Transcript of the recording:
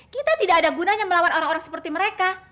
kita tidak ada gunanya melawan orang orang seperti mereka